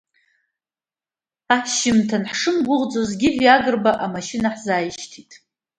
Ашьжьымҭан ҳшымгәыӷӡоз Гиви Агрба амашьына ҳзааишьҭит.